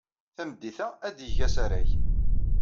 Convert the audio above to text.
Tameddit-a, ad d-yeg asarag.